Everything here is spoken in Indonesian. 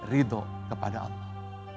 mencari ridho kepada allah